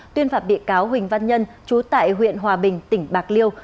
tuyên phạt bị cáo huỳnh văn nhân chú tại huyện hòa bình tỉnh bạc liêu